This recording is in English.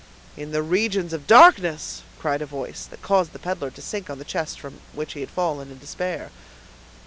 "In the regions of darkness!" cried a voice that caused the peddler to sink on the chest from which he had risen, in despair.